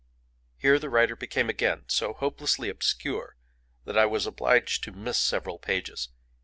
Here the writer became again so hopelessly obscure that I was obliged to miss several pages.